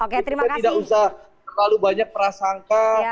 kita tidak usah terlalu banyak prasangka